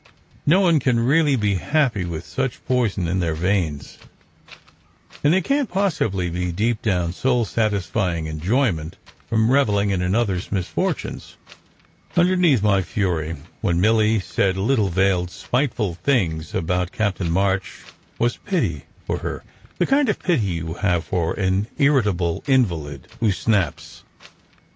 No one can really be happy with such poison in the veins, and there can t possibly be deep down, soul satisfying enjoyment from revelling in another s misfortunes. Underneath my fury, when Milly said little veiled, spiteful things about Captain March, was pity for her, the kind of pity you have for an irritable invalid who snaps.